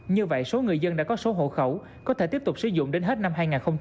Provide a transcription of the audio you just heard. như vậy số người dân đã có số hộ khẩu có thể tiếp tục sử dụng đến hết năm hai nghìn hai mươi